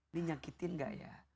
ini nyakitin gak ya